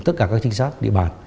tất cả các trinh sát địa bàn